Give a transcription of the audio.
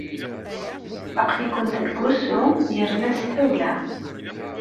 Aql-ikent deg wusu yerna s tawla.